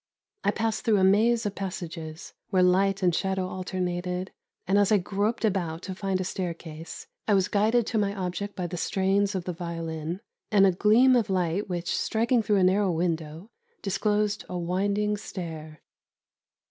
I passed through a maze of passages, where light and shadow alternated, and, as I groped about to find a staircase, I was guided to my object by the strains of the violin, and a gleam of light which, striking through a narrow window, disclosed a winding stair.